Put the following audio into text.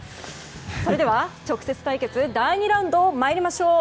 それでは直接対決第２ラウンドまいりましょう。